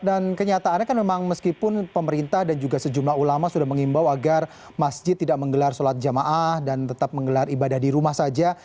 dan kenyataannya kan memang meskipun pemerintah dan juga sejumlah ulama sudah mengimbau agar masjid tidak menggelar sholat jamaah dan tetap menggelar ibadah di rumah saja